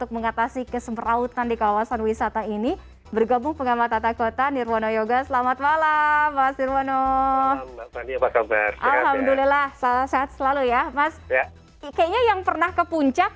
kayaknya yang pernah ke puncak